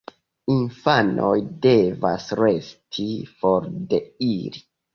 Infanoj devas resti for de ili.